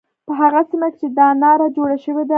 په هغه سیمه کې چې دا ناره جوړه شوې ده.